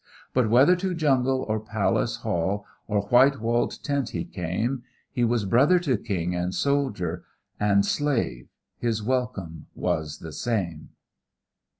But whether to jungle or palace hall Or white walled tent he came, He was brother to king and soldier and slave His welcome was the same.